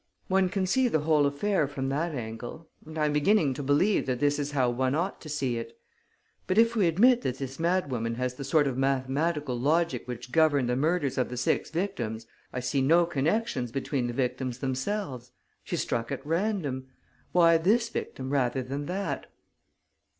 One can see the whole affair from that angle ... and I am beginning to believe that this is how one ought to see it. But, if we admit that this madwoman has the sort of mathematical logic which governed the murders of the six victims, I see no connection between the victims themselves. She struck at random. Why this victim rather than that?"